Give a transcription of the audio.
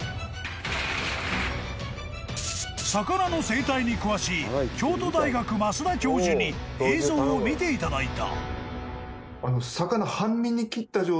［魚の生態に詳しい京都大学益田教授に映像を見ていただいた］